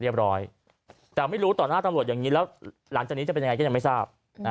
แต่ไม่รู้ต่อหน้าตำรวจอย่างนี้แล้วหลังจากนี้จะเป็นยังไงก็ยังไม่ทราบ